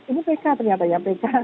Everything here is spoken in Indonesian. ini pk ternyata ya pk